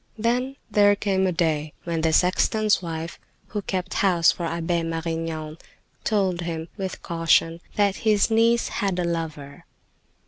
Then there came a day when the sexton's wife, who kept house for Abbe Marignan, told him, with caution, that his niece had a lover.